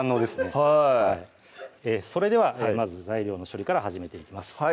それではまず材料の処理から始めていきます